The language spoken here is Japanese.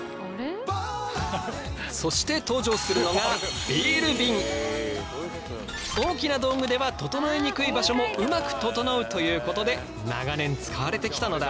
そして登場するのが大きな道具では整えにくい場所もうまく整うということで長年使われてきたのだ。